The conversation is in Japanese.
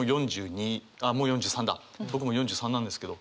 僕もう４３なんですけど。